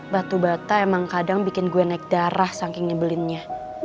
batu bata emang kadang bikin gue naik darah saking nyebelinnya